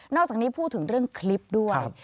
อกจากนี้พูดถึงเรื่องคลิปด้วย